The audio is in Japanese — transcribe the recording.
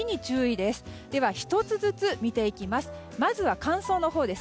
では１つずつ見ていきます。